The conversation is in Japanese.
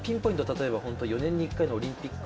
例えば４年に１回オリンピック。